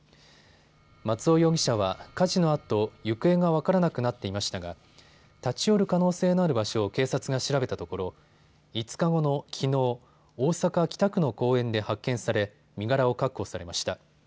松尾容疑者は火事のあと行方が分からなくなっていましたが立ち寄る可能性のある場所を警察が調べたところ、５日後のきのう、大阪北区の公園で発見され身柄を確保されました。